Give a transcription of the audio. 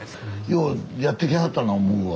ようやってきはったな思うわ。